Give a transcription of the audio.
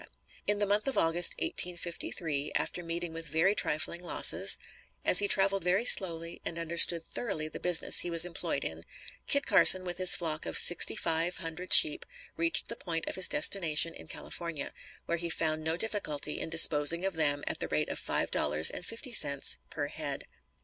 In the month of August, 1853, after meeting with very trifling losses, as he traveled very slowly and understood thoroughly the business he was employed in, Kit Carson with his flock of sixty five hundred sheep reached the point of his destination in California, where he found no difficulty in disposing of them at the rate of five dollars and fifty cents per head.